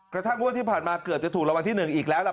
กระทั่งงวดที่ผ่านมาเกือบจะถูกรางวัลที่๑อีกแล้วล่ะ